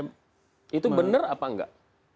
menurut saya itu benar atau tidak